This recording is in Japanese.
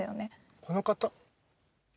この方え？